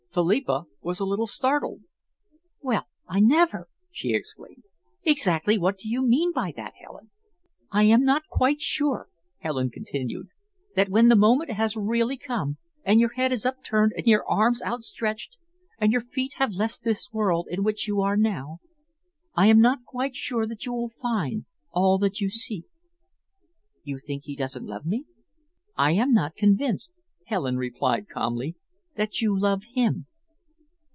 Philippa was a little startled. "Well, I never!" she exclaimed. "Exactly what do you mean by that, Helen?" "I am not quite sure," Helen continued, "that when the moment has really come, and your head is upturned and your arms outstretched, and your feet have left this world in which you are now, I am not quite sure that you will find all that you seek." "You think he doesn't love me?" "I am not convinced," Helen replied calmly, "that you love him."